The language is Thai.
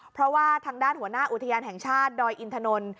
เพราะว่าทางด้านหัวหน้าอุทยานแห่งชาติดอยอินทนนท์